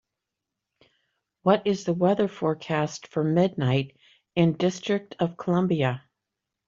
What is the weather forecast for Midnight in District Of Columbia?